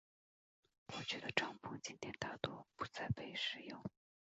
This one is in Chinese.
过去的帐篷今天大多不再被使用。